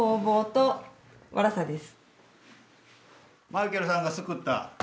マイケルさんがすくった。